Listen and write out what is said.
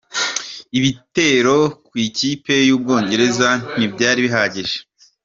Ibitero ku ikipe y’u Bwongereza ntibyari bihagije.